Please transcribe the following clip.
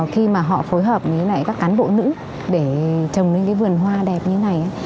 khi họ phối hợp với các cán bộ nữ để trồng lên vườn hoa đẹp như thế này